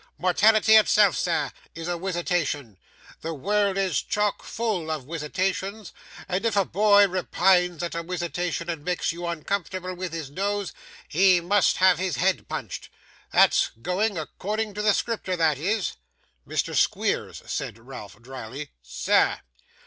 Mortality itself, sir, is a wisitation. The world is chock full of wisitations; and if a boy repines at a wisitation and makes you uncomfortable with his noise, he must have his head punched. That's going according to the Scripter, that is.' 'Mr. Squeers,' said Ralph, drily. 'Sir.